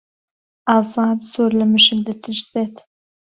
ئازاد زۆر لە مشک دەترسێت.